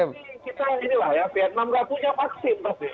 ini kita inilah ya vietnam nggak punya vaksin pasti